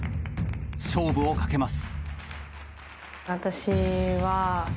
勝負をかけます。